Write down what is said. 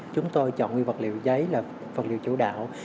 chúng tôi chọn nguyên vật liệu giấy là vật liệu chủ đạo